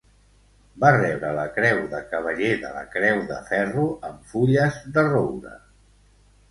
Va rebre la Creu de Cavaller de la Creu de Ferro amb Fulles de Roure.